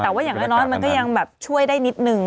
แต่ว่าอย่างน้อยมันก็ยังแบบช่วยได้นิดนึง